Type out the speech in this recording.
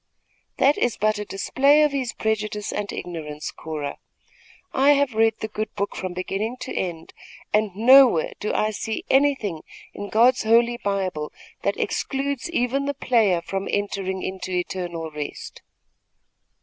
"That is but a display of his prejudice and ignorance, Cora. I have read the good book from beginning to end, and nowhere do I see anything in God's Holy Bible that excludes even the player from entering into eternal rest."